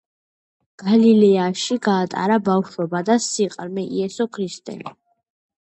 გალილეაში გაატარა ბავშვობა და სიყრმე იესო ქრისტემ.